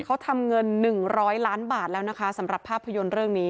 เขาทำเงิน๑๐๐ล้านบาทแล้วนะคะสำหรับภาพยนตร์เรื่องนี้